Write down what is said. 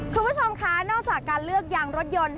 คุณผู้ชมคะนอกจากการเลือกยางรถยนต์